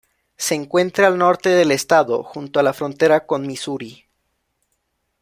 Se encuentra al norte del estado, junto a la frontera con Misuri.